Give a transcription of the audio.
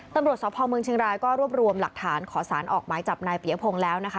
ตำรวจสพเมืองเชียงรายก็รวบรวมหลักฐานขอสารออกหมายจับนายเปียพงศ์แล้วนะคะ